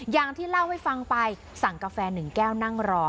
อย่างที่เล่าให้ฟังไปสั่งกาแฟ๑แก้วนั่งรอ